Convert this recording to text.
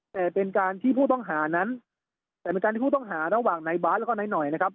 แต่เป็นการที่ผู้ต้องหานั้นแต่เป็นการที่ผู้ต้องหาระหว่างนายบาทแล้วก็นายหน่อยนะครับ